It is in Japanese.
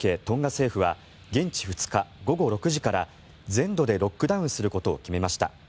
トンガ政府は現地２日午後６時から全土でロックダウンすることを決めました。